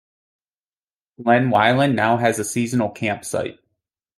Glen Wyllin now has a seasonal camp site.